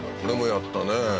これもやったね